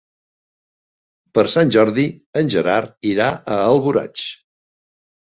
Per Sant Jordi en Gerard irà a Alboraig.